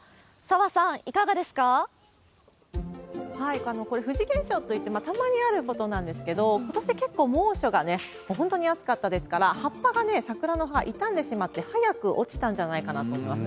澤さん、これ、不時現象といって、たまにあることなんですけれども、ことし、結構猛暑がね、もう本当に暑かったですから、葉っぱが、桜の葉、傷んでしまって早く落ちたんじゃないかなと思います。